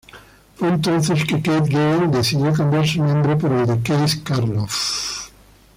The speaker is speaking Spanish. Fue entonces que "Keith Gale" decidió cambiar su nombre por el de "Keith Karloff".